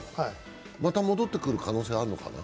また戻ってくる可能性はあるのかな？